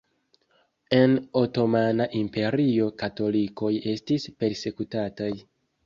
En Otomana Imperio katolikoj estis persekutataj.